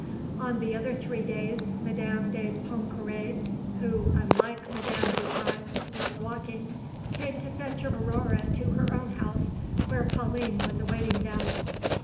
On the other three days Madame de Pontcarré (who, unlike Madame Dupin, loved walking) came to fetch Aurore to her own house, where Pauline was awaiting them.